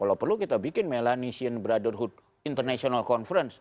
kalau perlu kita bikin melanesion brotherhood international conference